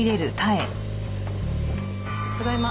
ただいま。